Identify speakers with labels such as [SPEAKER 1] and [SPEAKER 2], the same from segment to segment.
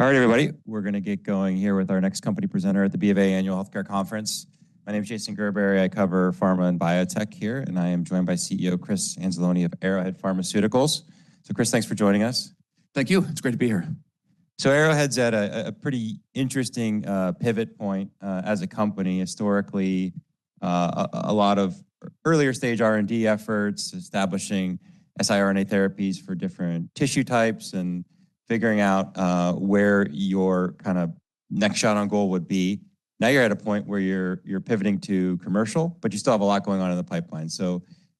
[SPEAKER 1] All right, everybody. We're gonna get going here with our next company presenter at the BofA Annual Healthcare Conference. My name is Jason Gerberry. I cover pharma and biotech here, and I am joined by CEO Chris Anzalone of Arrowhead Pharmaceuticals. Chris, thanks for joining us.
[SPEAKER 2] Thank you. It's great to be here.
[SPEAKER 1] Arrowhead's at a pretty interesting pivot point as a company. Historically, a lot of earlier stage R&D efforts establishing siRNA therapies for different tissue types and figuring out where your kinda next shot on goal would be. Now you're at a point where you're pivoting to commercial, but you still have a lot going on in the pipeline.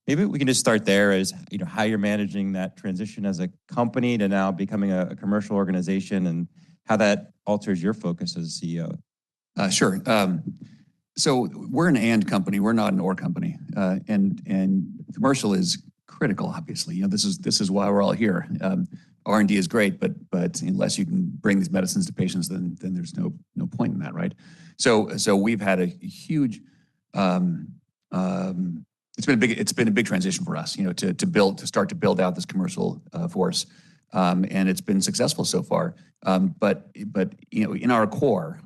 [SPEAKER 1] Maybe we can just start there as, you know, how you're managing that transition as a company to now becoming a commercial organization and how that alters your focus as a CEO.
[SPEAKER 2] Sure. We're an "and" company, we're not an "or" company. Commercial is critical, obviously. You know, this is why we're all here. R&D is great, but unless you can bring these medicines to patients, then there's no point in that, right? It's been a big transition for us, you know, to build, to start to build out this commercial force. It's been successful so far. You know, in our core,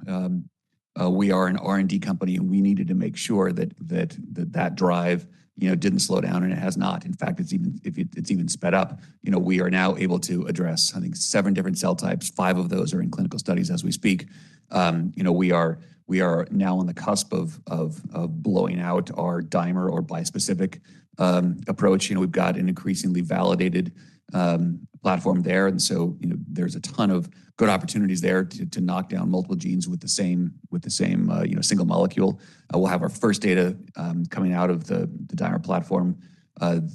[SPEAKER 2] we are an R&D company, and we needed to make sure that that drive, you know, didn't slow down, and it has not. In fact, it's even sped up. You know, we are now able to address, I think, seven different cell types. Five of those are in clinical studies as we speak. You know, we are now on the cusp of blowing out our dimer or bispecific approach. You know, we've got an increasingly validated platform there, you know, there's a ton of good opportunities there to knock down multiple genes with the same single molecule. We'll have our first data coming out of the dimer platform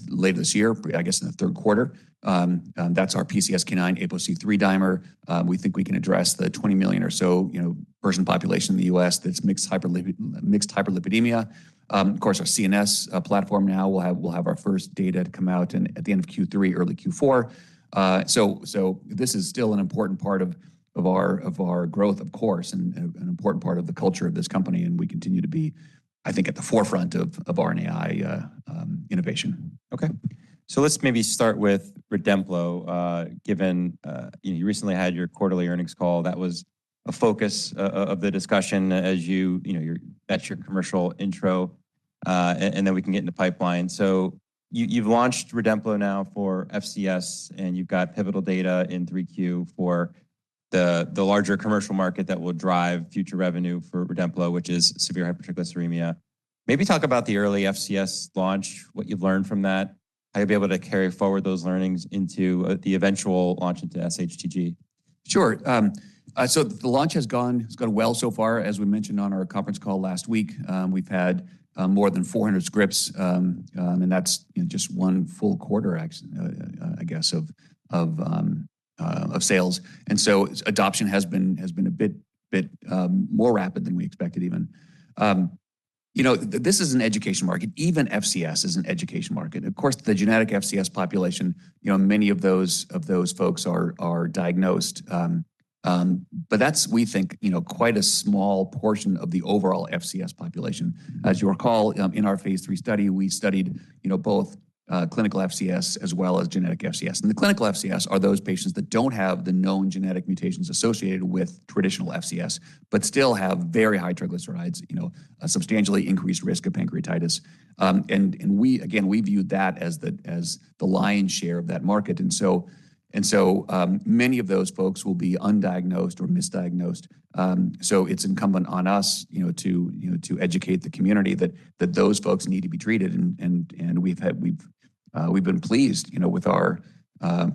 [SPEAKER 2] later this year, I guess in the third quarter. That's our PCSK9 APOC3 dimer. We think we can address the 20 million or so, you know, person population in the U.S. that's mixed hyperlipidemia. Of course, our CNS platform now will have our first data to come out at the end of Q3, early Q4. This is still an important part of our, of our growth, of course, and, an important part of the culture of this company, and we continue to be, I think, at the forefront of RNAi innovation.
[SPEAKER 1] Okay. Let's maybe start with REDEMPLO. Given, you know, you recently had your quarterly earnings call, that was a focus of the discussion as you know, That's your commercial intro, and then we can get into pipeline. You've launched REDEMPLO now for FCS, and you've got pivotal data in 3Q for the larger commercial market that will drive future revenue for REDEMPLO, which is severe hypertriglyceridemia. Maybe talk about the early FCS launch, what you've learned from that, how you'll be able to carry forward those learnings into the eventual launch into sHTG.
[SPEAKER 2] Sure. The launch has gone well so far. As we mentioned on our conference call last week, we've had more than 400 scripts, and that's, you know, just one full quarter of sales. Adoption has been a bit more rapid than we expected even. You know, this is an education market. Even FCS is an education market. Of course, the genetic FCS population, you know, many of those folks are diagnosed. That's, we think, you know, quite a small portion of the overall FCS population. As you'll recall, in our phase III study, we studied, you know, both clinical FCS as well as genetic FCS. The clinical FCS are those patients that don't have the known genetic mutations associated with traditional FCS, but still have very high triglycerides, a substantially increased risk of pancreatitis. We, again, we view that as the, as the lion's share of that market. Many of those folks will be undiagnosed or misdiagnosed. It's incumbent on us to educate the community that those folks need to be treated and we've been pleased with our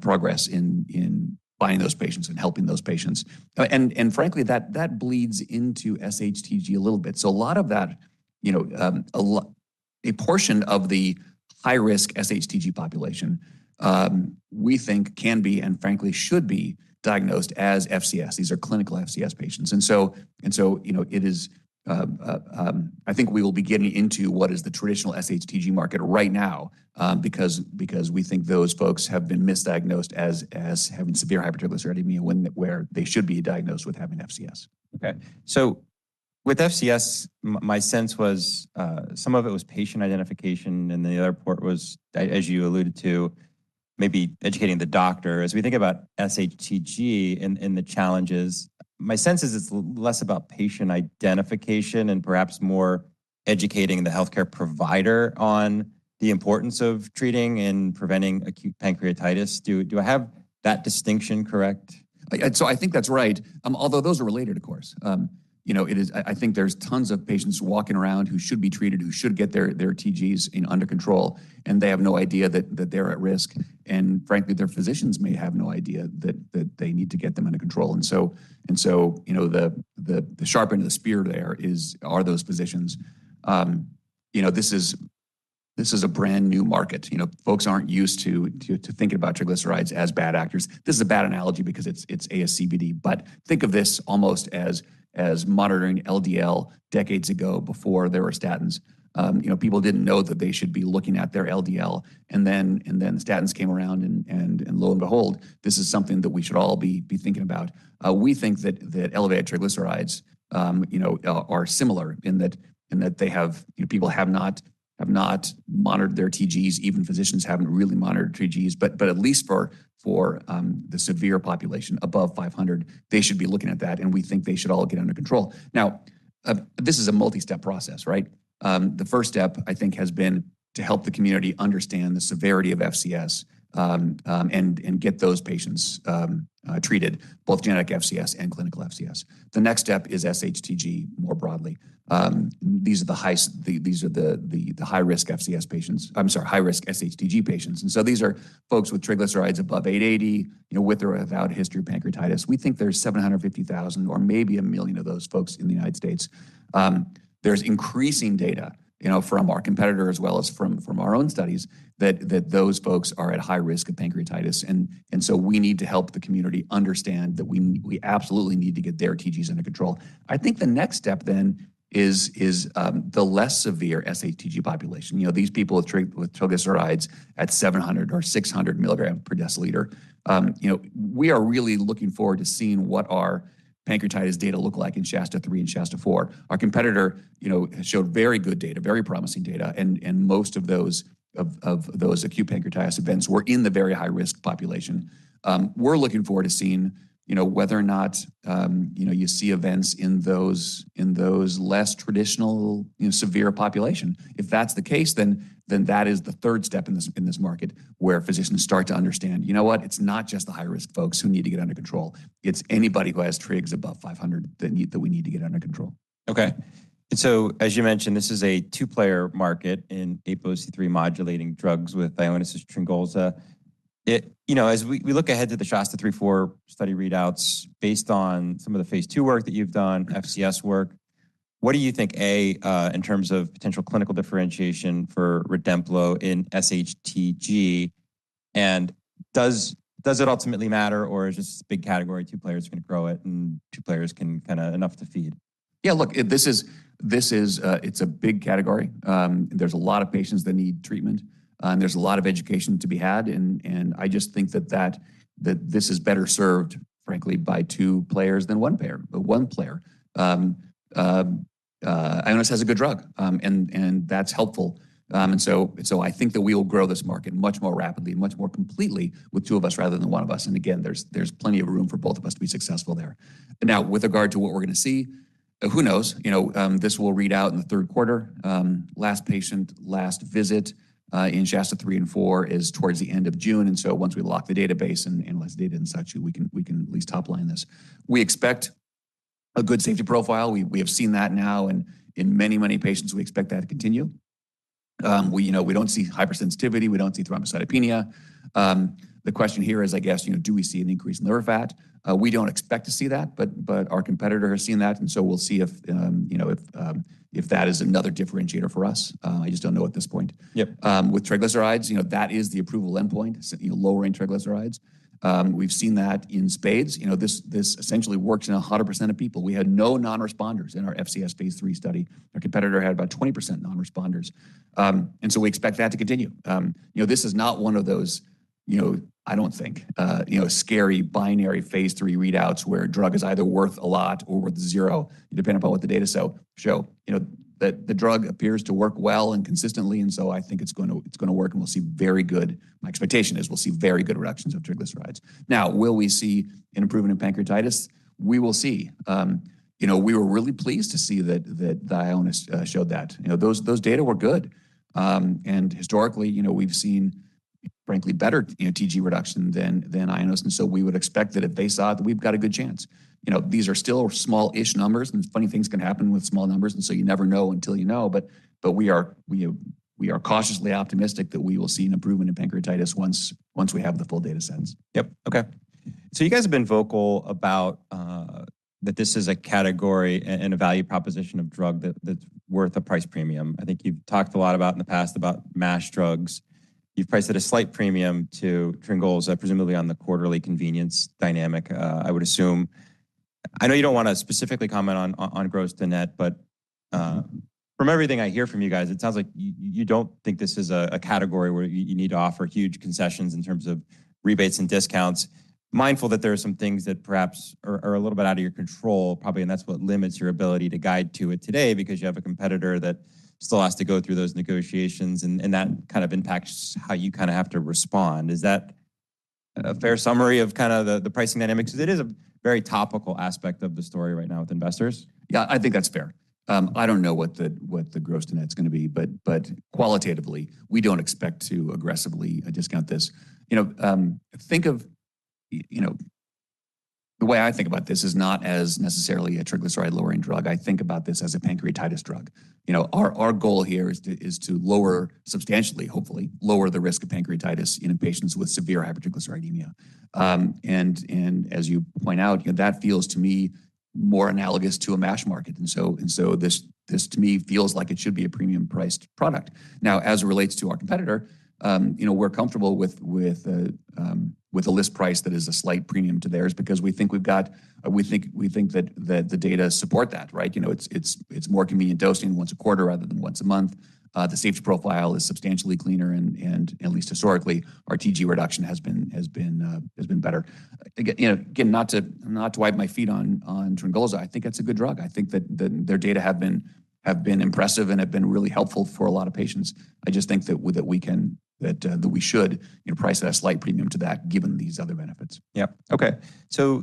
[SPEAKER 2] progress in finding those patients and helping those patients. Frankly, that bleeds into sHTG a little bit. A lot of that, you know, a portion of the high-risk sHTG population, we think can be and frankly should be diagnosed as FCS. These are clinical FCS patients. You know, it is, I think we will be getting into what is the traditional sHTG market right now, because we think those folks have been misdiagnosed as having severe hypertriglyceridemia when, where they should be diagnosed with having FCS.
[SPEAKER 1] Okay. with FCS, my sense was, some of it was patient identification, and the other part was, as you alluded to, maybe educating the doctor. As we think about sHTG and the challenges, my sense is it's less about patient identification and perhaps more educating the healthcare provider on the importance of treating and preventing acute pancreatitis. Do I have that distinction correct?
[SPEAKER 2] I think that's right, although those are related, of course. You know, it is I think there's tons of patients walking around who should be treated, who should get their TGs in under control, and they have no idea that they're at risk, and frankly, their physicians may have no idea that they need to get them under control. You know, the sharp end of the spear there is, are those physicians. You know, this is a brand new market. You know, folks aren't used to thinking about triglycerides as bad actors. This is a bad analogy because it's ASCVD, but think of this almost as monitoring LDL decades ago before there were statins. You know, people didn't know that they should be looking at their LDL, then statins came around and lo and behold, this is something that we should all be thinking about. We think that elevated triglycerides, you know, are similar in that they have, you know, people have not monitored their TGs. Even physicians haven't really monitored TGs. At least for the severe population above 500, they should be looking at that, and we think they should all get under control. This is a multi-step process, right? The first step I think has been to help the community understand the severity of FCS and get those patients treated, both genetic FCS and clinical FCS. The next step is sHTG more broadly. These are the high-risk FCS patients. I'm sorry, high-risk sHTG patients. These are folks with triglycerides above 880, you know, with or without a history of pancreatitis. We think there's 750,000 or maybe 1 million of those folks in the United States There's increasing data, you know, from our competitor as well as from our own studies that those folks are at high risk of pancreatitis. We need to help the community understand that we absolutely need to get their TGs under control. I think the next step then is the less severe sHTG population. You know, these people with triglycerides at 700 mg or 600 mg per dL. You know, we are really looking forward to seeing what our pancreatitis data look like in SHASTA-3 and SHASTA-4. Our competitor, you know, showed very good data, very promising data, and most of those acute pancreatitis events were in the very high-risk population. We're looking forward to seeing, you know, whether or not, you know, you see events in those, in those less traditional, you know, severe population. If that's the case, then that is the third step in this market where physicians start to understand, you know what? It's not just the high-risk folks who need to get under control. It's anybody who has trigs above 500 that we need to get under control.
[SPEAKER 1] Okay. As you mentioned, this is a two-player market in APOC3 modulating drugs with Ionis' TRYNGOLZA. It, you know, as we look ahead to the SHASTA-3 and SHASTA-4 study readouts, based on some of the phase II work that you've done, FCS work, what do you think, A, in terms of potential clinical differentiation for REDEMPLO in sHTG, and does it ultimately matter, or is this a big category, two players are gonna grow it, and two players can kinda enough to feed?
[SPEAKER 2] Yeah, look, this is a big category. There's a lot of patients that need treatment, and there's a lot of education to be had, and I just think that this is better served, frankly, by two players than one player. Ionis has a good drug, and that's helpful. I think that we will grow this market much more rapidly and much more completely with two of us rather than one of us. Again, there's plenty of room for both of us to be successful there. Now, with regard to what we're gonna see, who knows? You know, this will read out in the third quarter. Last patient, last visit, in SHASTA-3 and SHASTA-4 is towards the end of June. Once we lock the database and analyze data and such, we can at least top-line this. We expect a good safety profile. We have seen that now in many patients. We expect that to continue. We, you know, we don't see hypersensitivity. We don't see thrombocytopenia. The question here is, I guess, you know, do we see an increase in liver fat? We don't expect to see that, but our competitor has seen that, we'll see if, you know, if that is another differentiator for us. I just don't know at this point.
[SPEAKER 1] Yep.
[SPEAKER 2] With triglycerides, you know, that is the approval endpoint, you know, lowering triglycerides. We've seen that in spades. You know, this essentially works in 100% of people. We had no non-responders in our FCS phase III study. Our competitor had about 20% non-responders. We expect that to continue. You know, this is not one of those, you know, I don't think, you know, scary binary phase III readouts where a drug is either worth a lot or worth zero, depending upon what the data show. You know, the drug appears to work well and consistently, and so I think it's going to, it's gonna work, and we'll see very good My expectation is we'll see very good reductions of triglycerides. Now, will we see an improvement in pancreatitis? We will see. You know, we were really pleased to see that Ionis showed that. You know, those data were good. Historically, you know, we've seen frankly better, you know, TG reduction than Ionis, and so we would expect that if they saw it, that we've got a good chance. You know, these are still small-ish numbers, and funny things can happen with small numbers, and so you never know until you know. We are cautiously optimistic that we will see an improvement in pancreatitis once we have the full data sets.
[SPEAKER 1] Yep. Okay. You guys have been vocal about that this is a category and a value proposition of drug that's worth a price premium. I think you've talked a lot about in the past about MASH drugs. You've priced at a slight premium to TRYNGOLZA, presumably on the quarterly convenience dynamic, I would assume. I know you don't wanna specifically comment on gross to net, but from everything I hear from you guys, it sounds like you don't think this is a category where you need to offer huge concessions in terms of rebates and discounts, mindful that there are some things that perhaps are a little bit out of your control probably, and that's what limits your ability to guide to it today because you have a competitor that still has to go through those negotiations and that kind of impacts how you kinda have to respond. Is that a fair summary of kinda the pricing dynamics? 'Cause it is a very topical aspect of the story right now with investors.
[SPEAKER 2] Yeah, I think that's fair. I don't know what the, what the gross to net's gonna be, but qualitatively, we don't expect to aggressively discount this. You know, think of, you know The way I think about this is not as necessarily a triglyceride-lowering drug. I think about this as a pancreatitis drug. You know, our goal here is to lower, substantially hopefully, lower the risk of pancreatitis in patients with severe hypertriglyceridemia. As you point out, you know, that feels to me more analogous to a MASH market. This to me feels like it should be a premium-priced product. As it relates to our competitor, you know, we're comfortable with a list price that is a slight premium to theirs because we think that the data support that, right? You know, it's more convenient dosing once a quarter rather than once a month. The safety profile is substantially cleaner and at least historically, our TG reduction has been better. Again, you know, not to wipe my feet on TRYNGOLZA. I think that's a good drug. I think that their data have been impressive and have been really helpful for a lot of patients. I just think that we can, that we should, you know, price that slight premium to that given these other benefits.
[SPEAKER 1] Yep. Okay.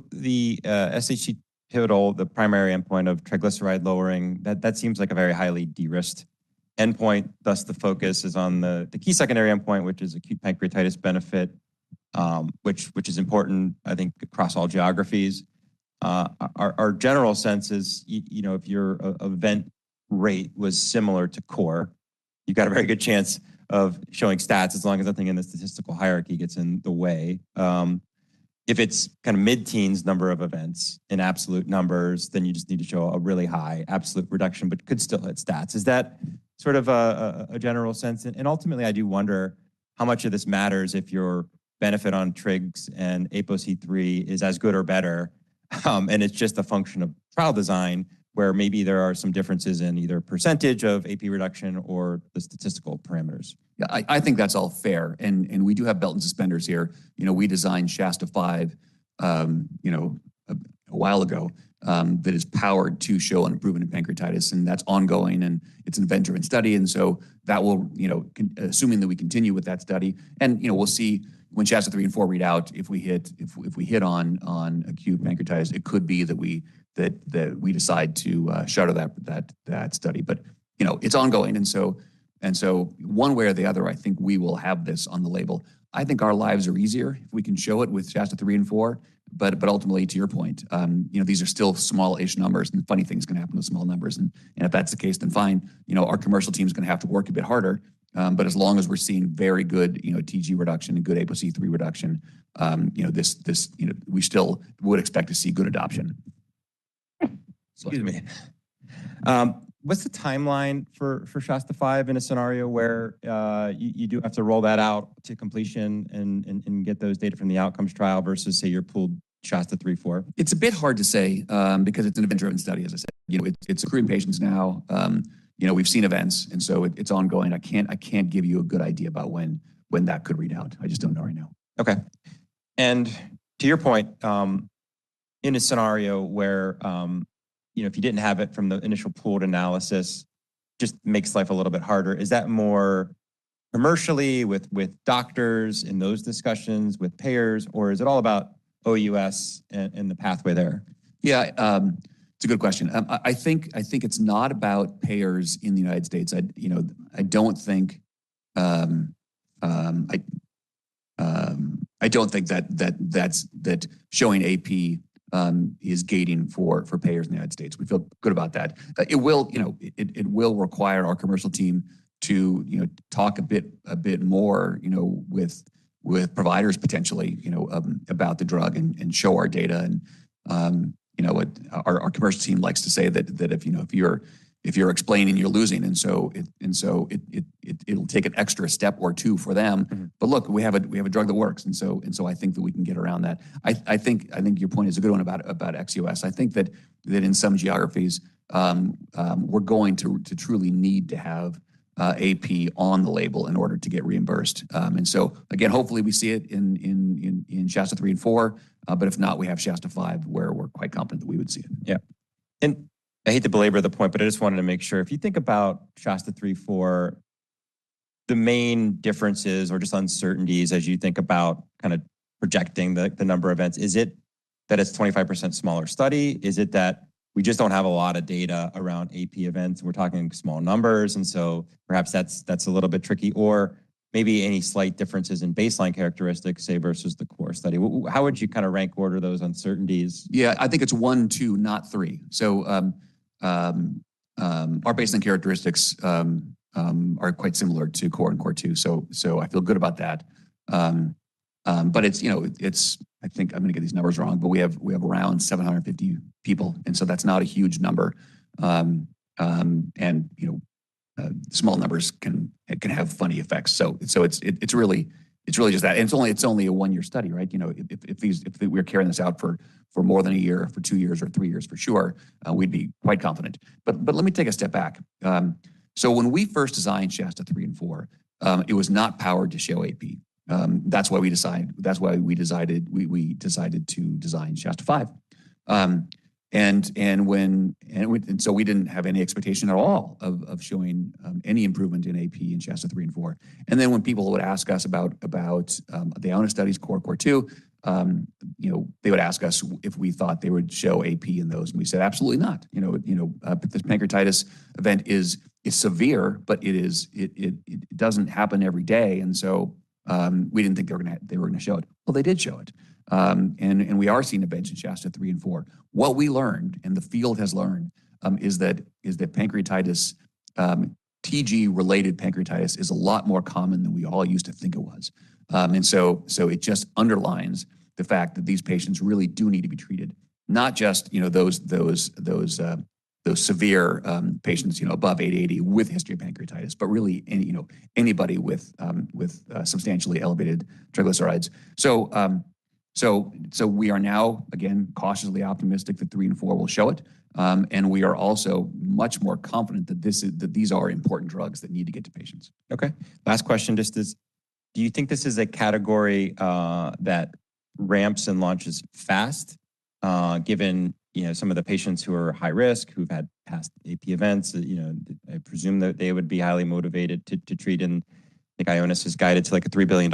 [SPEAKER 1] The sHTG pivotal, the primary endpoint of triglyceride lowering, that seems like a very highly de-risked endpoint, thus the focus is on the key secondary endpoint, which is acute pancreatitis benefit, which is important, I think, across all geographies. Our general sense is you know, if your event rate was similar to CORE, you've got a very good chance of showing stats as long as nothing in the statistical hierarchy gets in the way. If it's kinda mid-teens number of events in absolute numbers, then you just need to show a really high absolute reduction, but could still hit stats. Is that sort of a general sense? Ultimately, I do wonder how much of this matters if your benefit on trigs and APOC3 is as good or better, and it's just a function of trial design where maybe there are some differences in either percentage of AP reduction or the statistical parameters.
[SPEAKER 2] Yeah, I think that's all fair. We do have belt and suspenders here. You know, we designed SHASTA-5, you know, a while ago, that is powered to show an improvement in pancreatitis. It's ongoing, and it's an event-driven study. That will, you know, assuming that we continue with that study, and, you know, we'll see when SHASTA-3 and SHASTA-4 read out if we hit, if we hit on acute pancreatitis. It could be that we decide to shutter that study. You know, it's ongoing. One way or the other, I think we will have this on the label. I think our lives are easier if we can show it with SHASTA-3 and SHASTA-4. Ultimately, to your point, you know, these are still smallish numbers, and funny things can happen with small numbers. If that's the case, then fine. You know, our commercial team's gonna have to work a bit harder. As long as we're seeing very good, you know, TG reduction and good APOC3 reduction, you know, this, you know, we still would expect to see good adoption. Excuse me.
[SPEAKER 1] What's the timeline for SHASTA-5 in a scenario where you do have to roll that out to completion and get those data from the outcomes trial versus, say, your pooled SHASTA-3, SHASTA-4?
[SPEAKER 2] It's a bit hard to say, because it's an event-driven study, as I said. You know, it's accruing patients now. You know, we've seen events, and so it's ongoing. I can't give you a good idea about when that could read out. I just don't know right now.
[SPEAKER 1] Okay. To your point, in a scenario where, you know, if you didn't have it from the initial pooled analysis just makes life a little bit harder, is that more commercially with doctors in those discussions, with payers, or is it all about OUS and the pathway there?
[SPEAKER 2] Yeah. It's a good question. I think it's not about payers in the United States. You know, I don't think that showing AP is gating for payers in the United States. We feel good about that. It will, you know, it will require our commercial team to, you know, talk a bit more, you know, with providers potentially, you know, about the drug and show our data and, you know, what our commercial team likes to say that if, you know, if you're explaining, you're losing. It'll take an extra step or two for them. Look, we have a drug that works, and so I think that we can get around that. I think your point is a good one about ex-US. I think that in some geographies, we're going to truly need to have AP on the label in order to get reimbursed. Again, hopefully we see it in SHASTA-3 and SHASTA-4, but if not, we have SHASTA-5 where we're quite confident that we would see it.
[SPEAKER 1] Yeah. I hate to belabor the point, but I just wanted to make sure. If you think about SHASTA-3, SHASTA-4, the main differences or just uncertainties as you think about kinda projecting the number of events, is it that it's 25% smaller study? Is it that we just don't have a lot of data around AP events and we're talking small numbers, perhaps that's a little bit tricky? Or maybe any slight differences in baseline characteristics, say versus the CORE study? How would you kinda rank order those uncertainties?
[SPEAKER 2] Yeah. I think it's one, two, not three. Our baseline characteristics are quite similar to CORE and CORE2, so I feel good about that. It's, you know, I think I'm gonna get these numbers wrong, we have around 750 people, that's not a huge number. You know, small numbers can have funny effects. It's really just that. It's only a one-year study, right? You know, if we were carrying this out for more than a year, for two years or three years for sure, we'd be quite confident. Let me take a step back. When we first designed SHASTA-3 and SHASTA-4, it was not powered to show AP. That's why we decided to design SHASTA-5. We didn't have any expectation at all of showing any improvement in AP in SHASTA-3 and SHASTA-4. When people would ask us about the Ionis studies, CORE, CORE2, you know, they would ask us if we thought they would show AP in those, and we said absolutely not. You know, this pancreatitis event is severe, but it doesn't happen every day, we didn't think they were gonna show it. Well, they did show it and we are seeing events in SHASTA-3 and SHASTA-4. What we learned, and the field has learned, is that pancreatitis, TG-related pancreatitis is a lot more common than we all used to think it was. It just underlines the fact that these patients really do need to be treated, not just, you know, those severe patients, you know, above 880 with history of pancreatitis, but really any, you know, anybody with substantially elevated triglycerides. We are now, again, cautiously optimistic that three and four will show it. We are also much more confident that these are important drugs that need to get to patients.
[SPEAKER 1] Okay. Last question, just is, do you think this is a category that ramps and launches fast, given, you know, some of the patients who are high risk, who've had past AP events that, you know, I presume that they would be highly motivated to treat, and I think Ionis has guided to, like, a $3 billion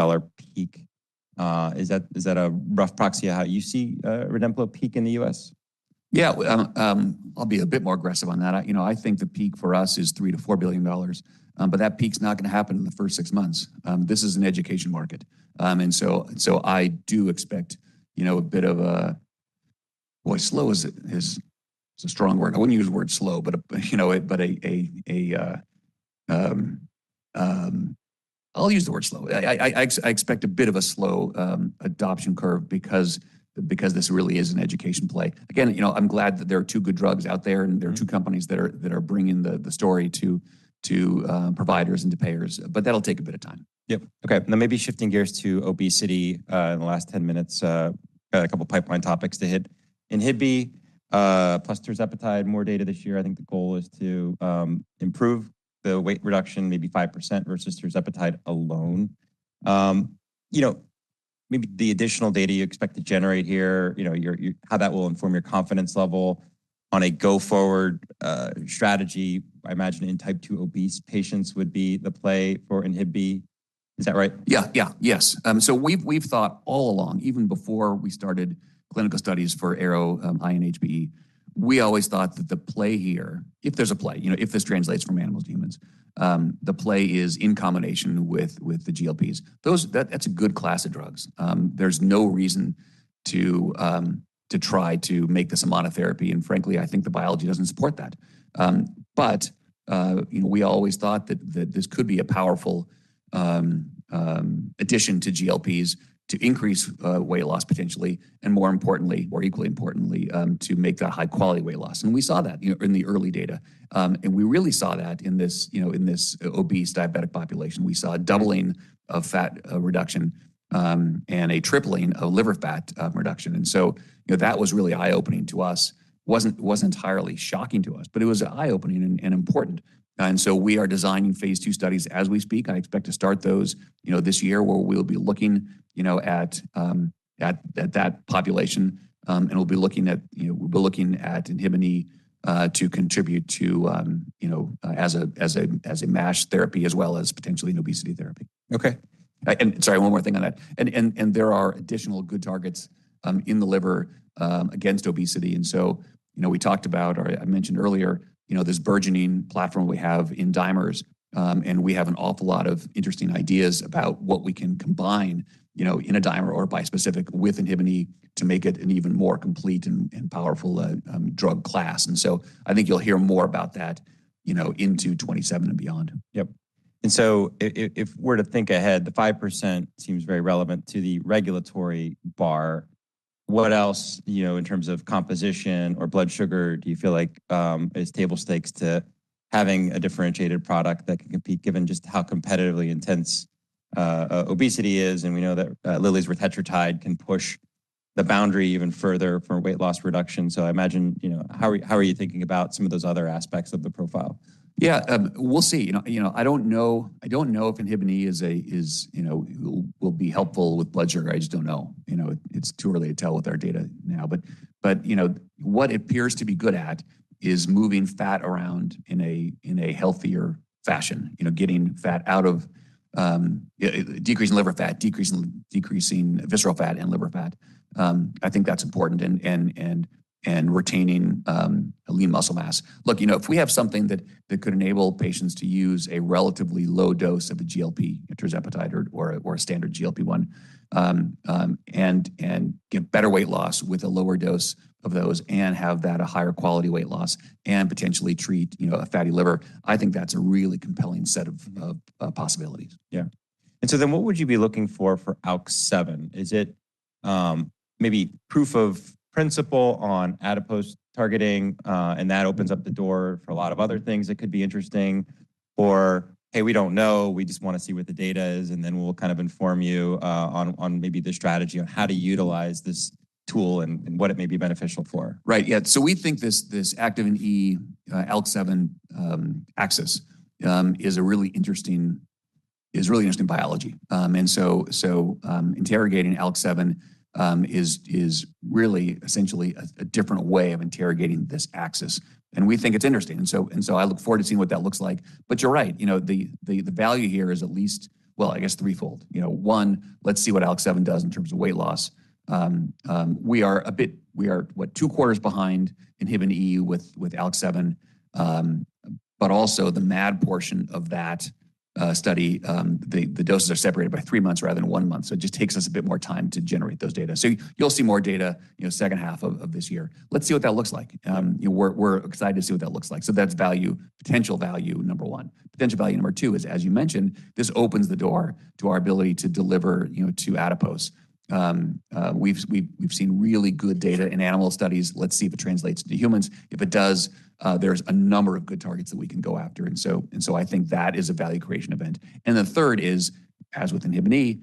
[SPEAKER 1] peak. Is that, is that a rough proxy of how you see REDEMPLO peak in the U.S.?
[SPEAKER 2] Yeah. I'll be a bit more aggressive on that. You know, I think the peak for us is $3 billion-$4 billion. That peak's not gonna happen in the first six months. This is an education market. So I do expect, you know, a bit of a, well, slow is a strong word. I wouldn't use the word slow, but a, you know, but a I'll use the word slow. I expect a bit of a slow adoption curve because this really is an education play. You know, I'm glad that there are two good drugs out there, and there are two companies that are bringing the story to providers and to payers, but that'll take a bit of time.
[SPEAKER 1] Yep. Okay. Now maybe shifting gears to obesity, in the last 10-minutes, got a couple pipeline topics to hit. INHBE, plus tirzepatide, more data this year. I think the goal is to improve the weight reduction, maybe 5% versus tirzepatide alone. You know, maybe the additional data you expect to generate here, you know, your how that will inform your confidence level on a go-forward strategy, I imagine in Type 2 obese patients would be the play for INHBE. Is that right?
[SPEAKER 2] Yeah. Yeah. Yes. We've thought all along, even before we started clinical studies for ARO-INHBE, we always thought that the play here, if there's a play, you know, if this translates from animals to humans, the play is in combination with the GLPs. That's a good class of drugs. There's no reason to try to make this a monotherapy, and frankly, I think the biology doesn't support that. You know, we always thought that this could be a powerful addition to GLPs to increase weight loss potentially, and more importantly, or equally importantly, to make that high-quality weight loss. We saw that, you know, in the early data. We really saw that in this, you know, in this obese diabetic population. We saw a doubling of fat reduction and a tripling of liver fat reduction. You know, that was really eye-opening to us. Wasn't entirely shocking to us, but it was eye-opening and important. We are designing phase II studies as we speak. I expect to start those, you know, this year, where we'll be looking, you know, at that population, and we'll be looking at INHBE to contribute to, you know, as a MASH therapy as well as potentially an obesity therapy.
[SPEAKER 1] Okay.
[SPEAKER 2] Sorry, one more thing on that. There are additional good targets in the liver against obesity. You know, we talked about, or I mentioned earlier, you know, this burgeoning platform we have in dimers, and we have an awful lot of interesting ideas about what we can combine, you know, in a dimer or bispecific with INHBE to make it an even more complete and powerful drug class. I think you'll hear more about that, you know, into 2027 and beyond.
[SPEAKER 1] Yep. If we're to think ahead, the 5% seems very relevant to the regulatory bar. What else, you know, in terms of composition or blood sugar do you feel like, is table stakes to having a differentiated product that can compete given just how competitively intense obesity is? We know that Lilly's retatrutide can push the boundary even further for weight loss reduction. I imagine, you know, how are you thinking about some of those other aspects of the profile?
[SPEAKER 2] Yeah. We'll see. You know, you know, I don't know, I don't know if INHBE is a, is, you know, will be helpful with blood sugar. I just don't know. You know, it's too early to tell with our data now. You know, what it appears to be good at is moving fat around in a healthier fashion. You know, getting fat out of, dcreasing liver fat, decreasing visceral fat and liver fat. I think that's important and retaining lean muscle mass. Look, you know, if we have something that could enable patients to use a relatively low dose of a GLP, tirzepatide or a standard GLP-1, and get better weight loss with a lower dose of those and have that a higher quality weight loss and potentially treat, you know, a fatty liver, I think that's a really compelling set of possibilities.
[SPEAKER 1] Yeah. What would you be looking for for ALK-7? Is it, maybe proof of principle on adipose targeting, and that opens up the door for a lot of other things that could be interesting? Or, hey, we don't know, we just wanna see what the data is, and then we'll kind of inform you, on maybe the strategy on how to utilize this tool and what it may be beneficial for.
[SPEAKER 2] Right. Yeah. We think this Activin E, ALK-7 axis is really interesting biology. Interrogating ALK-7 is really essentially a different way of interrogating this axis, and we think it's interesting. I look forward to seeing what that looks like. You're right, you know, the value here is at least, well, I guess threefold. You know, one, let's see what ALK-7 does in terms of weight loss. We are, what, two quarters behind INHBE with ALK-7, but also the MAD portion of that study, the doses are separated by three months rather than one month, so it just takes us a bit more time to generate those data. You'll see more data, you know, second half of this year. Let's see what that looks like. You know, we're excited to see what that looks like. That's value, potential value, number one. Potential value number two is, as you mentioned, this opens the door to our ability to deliver, you know, to adipose. We've seen really good data in animal studies. Let's see if it translates into humans. If it does, there's a number of good targets that we can go after. I think that is a value creation event. The third is, as with Activin E,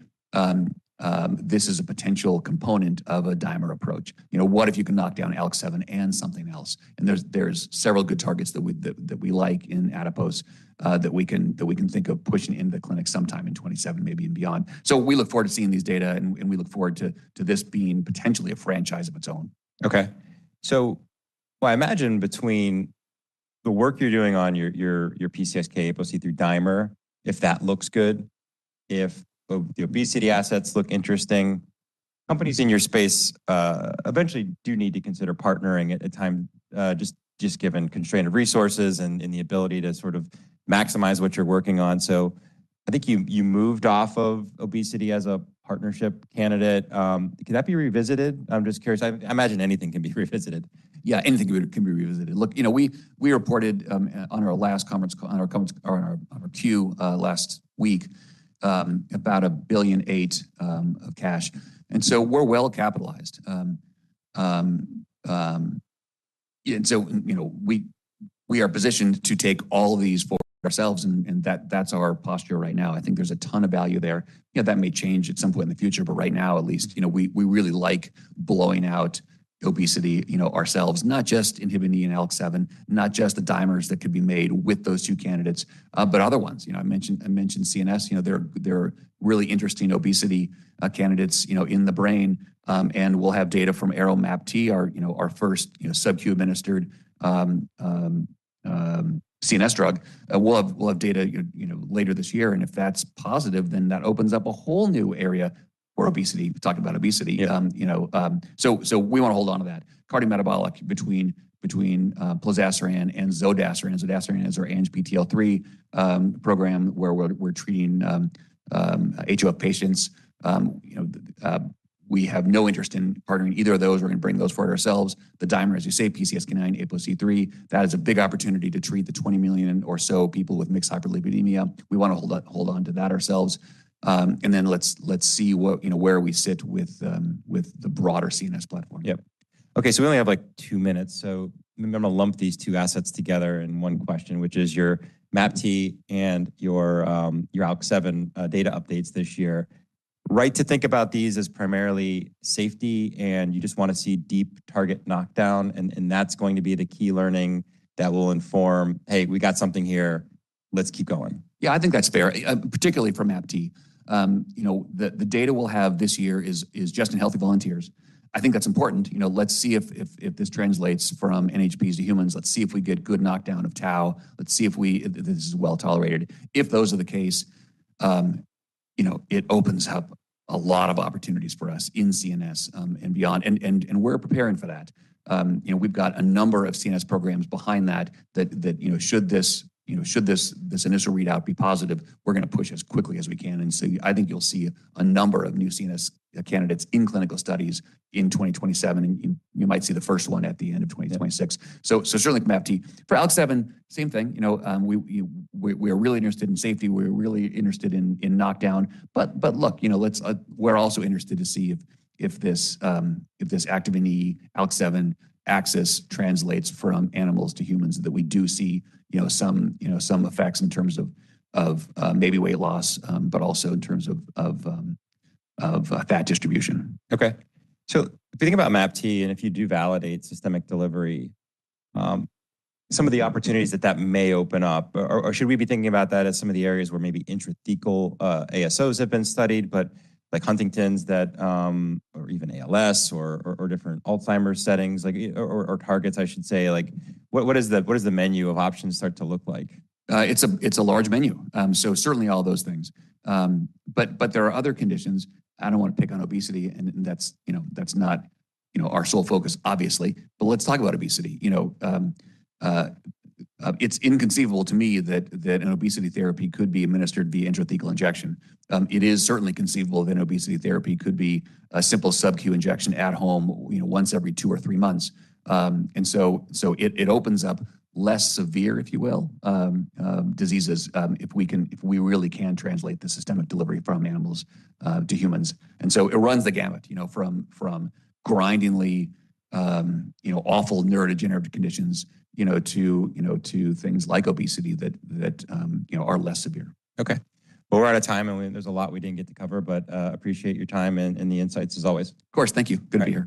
[SPEAKER 2] this is a potential component of a dimer approach. You know, what if you can knock down ALK-7 and something else? There's several good targets that we like in adipose that we can think of pushing into the clinic sometime in 2027 maybe and beyond. We look forward to seeing these data and we look forward to this being potentially a franchise of its own.
[SPEAKER 1] Okay. I imagine between the work you're doing on your PCSK9, APOC3 dimer, if that looks good, if the obesity assets look interesting, companies in your space eventually do need to consider partnering at a time, just given constraint of resources and the ability to sort of maximize what you're working on. I think you moved off of obesity as a partnership candidate. Could that be revisited? I'm just curious. I imagine anything can be revisited.
[SPEAKER 2] Anything could be revisited. You know, we reported on our last conference call or on our Q last week about $1.8 billion of cash. We're well capitalized. You know, we are positioned to take all of these forward ourselves, and that's our posture right now. I think there's a ton of value there. You know, that may change at some point in the future, but right now at least, you know, we really like blowing out obesity, you know, ourselves. Not just INHBE and ALK-7, not just the dimers that could be made with those two candidates, but other ones. You know, I mentioned CNS. You know, there are really interesting obesity candidates, you know, in the brain. We'll have data from ARO-MAPT, our, you know, our first, you know, subQ administered CNS drug. We'll have data, you know, later this year. If that's positive, that opens up a whole new area for obesity. We're talking about obesity.
[SPEAKER 1] Yeah.
[SPEAKER 2] We wanna hold onto that cardiometabolic between plozasiran and zodasiran. zodasiran is our ANGPTL3 program, where we're treating HoFH patients. We have no interest in partnering either of those. We're gonna bring those forward ourselves. The dimer, as you say, PCSK9, APOC3, that is a big opportunity to treat the 20 million or so people with mixed hyperlipidemia. We wanna hold on to that ourselves. Let's see what, you know, where we sit with the broader CNS platform.
[SPEAKER 1] Yep. Okay, we only have, like, two minutes, so I'm gonna lump these two assets together in one question, which is your MAPT and your ALK-7 data updates this year. Think about these as primarily safety, and you just wanna see deep target knockdown, and that's going to be the key learning that will inform, "Hey, we got something here. Let's keep going.
[SPEAKER 2] Yeah, I think that's fair, particularly for MAPT. You know, the data we'll have this year is just in healthy volunteers. I think that's important. You know, let's see if this translates from NHPs to humans. Let's see if we get good knockdown of tau. Let's see if this is well-tolerated. If those are the case, you know, it opens up a lot of opportunities for us in CNS and beyond, and we're preparing for that. You know, we've got a number of CNS programs behind that, you know, should this initial readout be positive, we're gonna push as quickly as we can. I think you'll see a number of new CNS candidates in clinical studies in 2027, and you might see the first one at the end of 2026.
[SPEAKER 1] Yeah.
[SPEAKER 2] Certainly for MAPT. For ALK-7, same thing. You know, we are really interested in safety. We're really interested in knockdown. Look, you know, let's, we're also interested to see if this Activin E ALK-7 axis translates from animals to humans, that we do see, you know, some effects in terms of maybe weight loss, but also in terms of fat distribution.
[SPEAKER 1] Okay. If you think about MAPT, and if you do validate systemic delivery, some of the opportunities that that may open up, or should we be thinking about that as some of the areas where maybe intrathecal ASOs have been studied, but like Huntington's that, or even ALS or different Alzheimer's settings, like, or targets, I should say, like what is the, what does the menu of options start to look like?
[SPEAKER 2] It's a large menu. Certainly all those things. But there are other conditions. I don't want to pick on obesity and that's, you know, that's not, you know, our sole focus obviously, let's talk about obesity. You know, it's inconceivable to me that an obesity therapy could be administered via intrathecal injection. It is certainly conceivable that an obesity therapy could be a simple subQ injection at home, you know, once every two or three months. So it opens up less severe, if you will, diseases, if we really can translate the systemic delivery from animals to humans. It runs the gamut, you know, from grindingly, you know, awful neurodegenerative conditions, you know, to, you know, to things like obesity that, you know, are less severe.
[SPEAKER 1] Okay. Well, we're out of time. There's a lot we didn't get to cover. Appreciate your time and the insights as always.
[SPEAKER 2] Of course. Thank you. Good to be here.